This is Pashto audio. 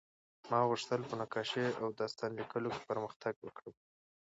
ما غوښتل په نقاشۍ او داستان لیکلو کې پرمختګ وکړم